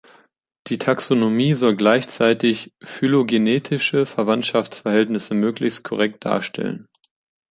Die Taxonomie soll gleichzeitig phylogenetische Verwandtschaftsverhältnisse möglichst korrekt darstellen.